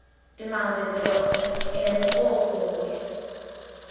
demanded the Doctor in an awful voice.